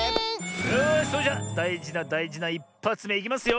よしそれじゃだいじなだいじな１ぱつめいきますよ。